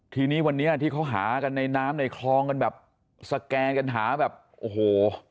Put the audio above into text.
ทีนี้วันนี้ที่เขาหากันในน้ำในคลองกันแบบสแกนกันหาแบบโอ้โห